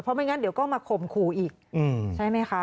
ไม่งั้นเดี๋ยวก็มาข่มขู่อีกใช่ไหมคะ